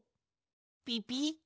ピピッ？